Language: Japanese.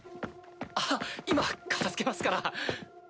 あっ今片づけますから。